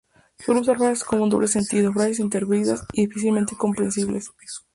Suele usar frases con doble sentido, frases invertidas y difícilmente comprensibles.